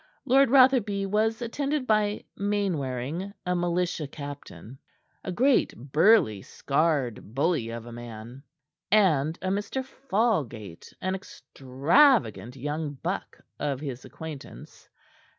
Lord Rotherby was attended by Mainwaring, a militia captain a great, burly, scarred bully of a man and a Mr. Falgate, an extravagant young buck of his acquaintance.